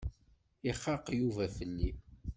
Ixaq Yuba fell-i.